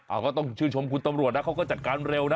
ก็ต้องชื่นชมคุณตำรวจนะเขาก็จัดการเร็วนะ